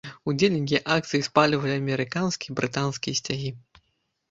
Удзельнікі акцый спальвалі амерыканскія і брытанскія сцягі.